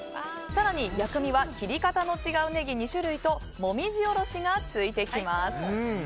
更に、薬味は切り方の違うネギ２種類ともみじおろしがついてきます。